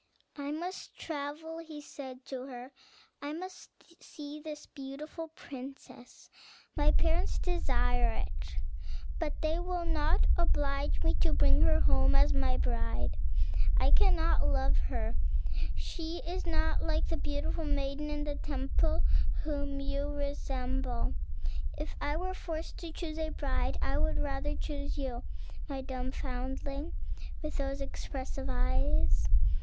"I must travel," he had said to her; "I must see this beautiful princess; my parents desire it; but they will not oblige me to bring her home as my bride. I cannot love her; she is not like the beautiful maiden in the temple, whom you resemble. If I were forced to choose a bride, I would rather choose you, my dumb foundling, with those expressive eyes."